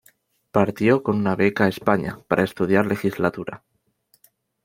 Partió con una beca a España, para estudiar legislatura.